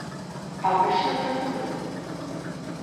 Amor sabor amorodo?